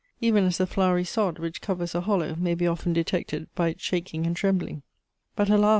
Even as the flowery sod, which covers a hollow, may be often detected by its shaking and trembling. But, alas!